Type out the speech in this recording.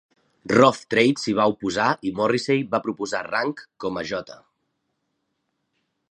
Rough Trade s'hi va oposar i Morrissey va proposar "Rank", "com a 'J.